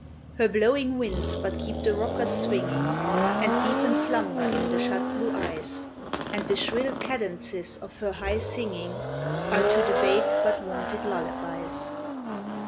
Her blowing winds but keep the rockers swinging, And deepen slumber in the shut blue eyes, And the shrill cadences of her high singing Are to the babe but wonted lullabies.